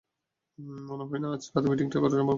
মনে হয় না আজ রাতে মিটিংটা করা সম্ভব হবে!